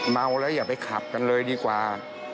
เมาแล้วอย่าไปขับกันเลยดีกว่า